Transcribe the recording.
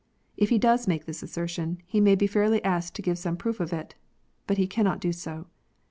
If he does make this assertion, he may be fairly asked to give some proof of it. But he cannot do so.